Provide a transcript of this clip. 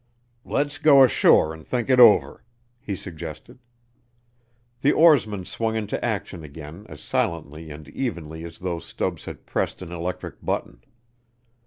"Let's go ashore and think it over," he suggested. The oarsman swung into action again as silently and evenly as though Stubbs had pressed an electric button.